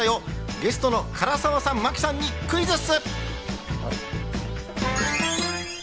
ゲストの唐沢さん、真木さんにクイズッス！